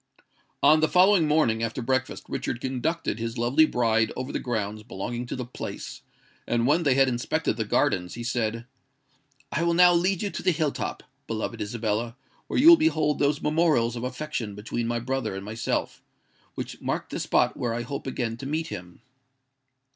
On the following morning, after breakfast, Richard conducted his lovely bride over the grounds belonging to the Place; and when they had inspected the gardens, he said, "I will now lead you to the hill top, beloved Isabella, where you will behold those memorials of affection between my brother and myself, which mark the spot where I hope again to meet him."